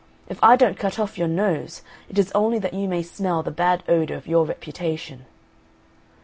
If I don't cut off your nose, it is only that you may smell the bad odour of your reputation."